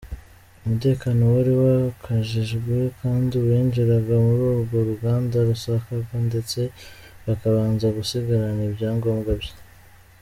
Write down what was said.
Umutekano wari wakajijwe kandi uwinjiraga muri urwo ruganda yasakwaga ndetse bakabanza gusigarana ibyangombwa bye.